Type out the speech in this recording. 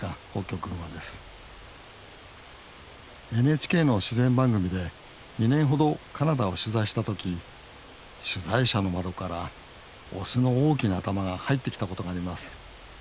ＮＨＫの自然番組で２年ほどカナダを取材した時取材車の窓からオスの大きな頭が入ってきたことがあります。